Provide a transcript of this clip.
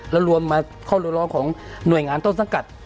แล้วรวมมาข้อเรียกร้องของหน่วยงานต้นสังกัด